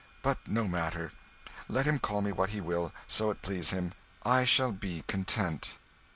But no matter, let him call me what he will, so it please him; I shall be content."